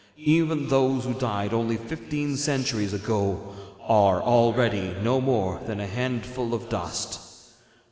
Even those who died only fifteen centuries ago are already no more than a handful of dust.